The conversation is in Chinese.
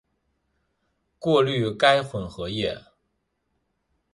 过滤该混合液。